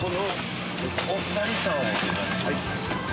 はい。